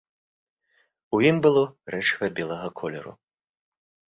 У ім было рэчыва белага колеру.